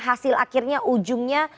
hasil akhirnya ujungnya